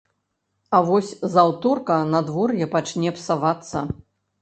А вось з аўторка надвор'е пачне псавацца.